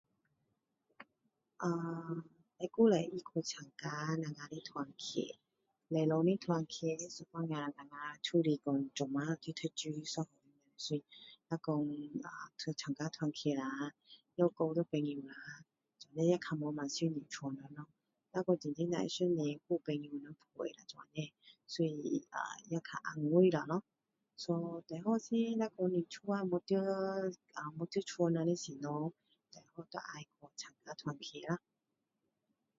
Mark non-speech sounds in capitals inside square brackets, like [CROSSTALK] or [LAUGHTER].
啊，会鼓励他去参加我们的团体。礼拜日团体有时就我们就是一起去读书。 [UNINTELLIGIBLE] 那说去参加团体啦也交到朋友啦，这样比较不会想念家人咯。如果真的会想念。也有朋友陪啦这样，所以也会比较安慰咯。so最好是如你没有家人在身边，最好是要去参加团体啦。